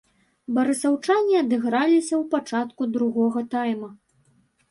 Барысаўчане адыграліся ў пачатку другога тайма.